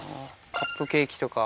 カップケーキとか。